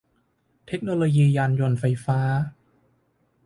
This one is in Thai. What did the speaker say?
เทคโนโลยียานยนต์ไฟฟ้า